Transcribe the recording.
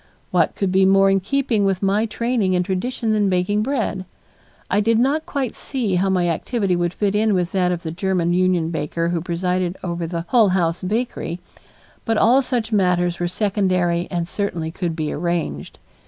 What could be more in keeping with my training and tradition than baking bread? I did not quite see how my activity would fit in with that of the German union baker who presided over the Hull House bakery, but all such matters were secondary and certainly could be arranged.